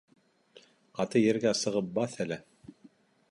Ҡаты ергә сығып баҫ әле!